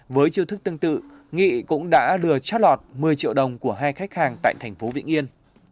với chiêu thức tương tự nghị cũng đã lừa chót lọt một mươi triệu đồng của hai khách hàng tại thành phố vĩnh yên